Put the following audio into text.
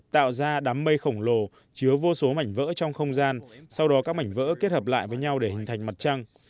tạo ra đám mây khổng lồ chứa vô số mảnh vỡ trong không gian sau đó các mảnh vỡ kết hợp lại với nhau để hình thành mặt trăng